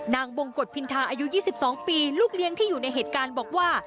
บงกฎพินทาอายุ๒๒ปีลูกเลี้ยงที่อยู่ในเหตุการณ์บอกว่า